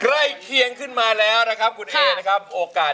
เคียงขึ้นมาแล้วนะครับคุณเอนะครับโอกาส